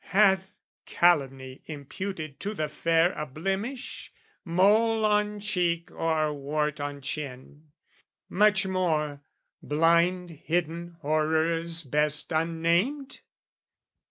Hath calumny imputed to the fair A blemish, mole on cheek or wart on chin, Much more, blind hidden horrors best unnamed?